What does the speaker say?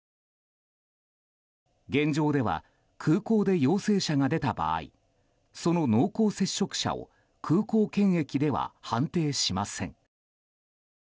現状では空港で陽性者が出た場合その濃厚接触者を空港検疫では判定しません。